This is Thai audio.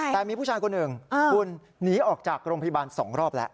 แต่มีผู้ชายคนหนึ่งคุณหนีออกจากโรงพยาบาล๒รอบแล้ว